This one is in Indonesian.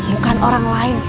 bukan orang lain